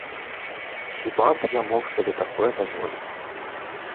Хіба б я мог сабе такое дазволіць?